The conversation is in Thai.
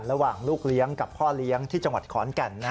ลูกเลี้ยงกับพ่อเลี้ยงที่จังหวัดขอนแก่น